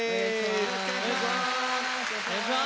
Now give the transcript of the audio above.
よろしくお願いします。